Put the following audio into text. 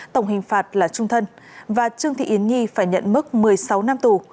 tổng hình phạt là trung thân và trương thị yến nhi phải nhận mức một mươi sáu năm tù